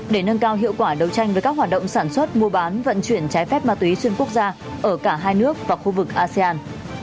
để nâng cao hiệu quả đấu tranh với các hoạt động sản xuất mua bán vận chuyển trái phép ma túy xuyên quốc gia ở cả hai nước và khu vực asean